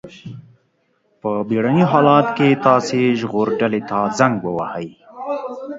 په بېړني حالت کې تاسو ژغورډلې ته زنګ ووهئ.